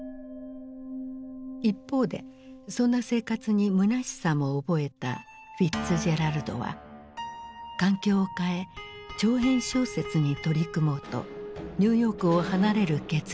一方でそんな生活にむなしさも覚えたフィッツジェラルドは環境を変え長編小説に取り組もうとニューヨークを離れる決意をする。